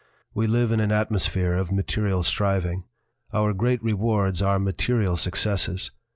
We live in an atmosphere of material striving. Our great rewards are material successes.